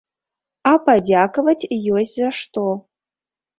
А падзякаваць ёсць за што.